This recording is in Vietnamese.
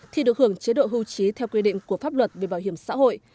thì được hưởng chế độ hưu trí theo quy định của pháp luật về bảo hiểm xã hội